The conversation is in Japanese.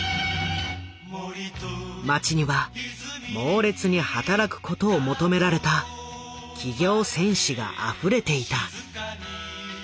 街にはモーレツに働くことを求められた企業戦士があふれていた。